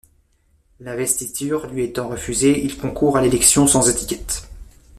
L'investiture lui étant refusée, il concourt à l'élection sans étiquette.